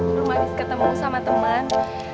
rumah kaik ketemu sama teman